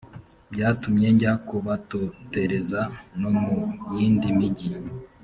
byatumye njya kubatotereza no mu yindi migi